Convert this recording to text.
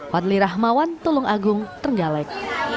wadli rahmawan tulung agung tenggalek